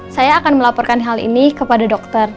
saya akan melaporkan hal ini kepada dokter